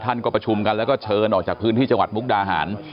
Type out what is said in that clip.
ท่านก็ประชุมกันแล้วก็เชิญออกจากพื้นที่จังหวัดมุกดาหาร